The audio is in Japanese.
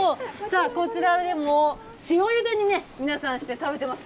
さあ、こちらでも、塩ゆでにね、皆さんして食べてます。